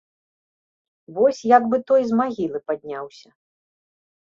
Вось як бы той з магілы падняўся.